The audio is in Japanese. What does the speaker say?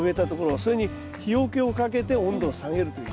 それに日よけをかけて温度を下げるという。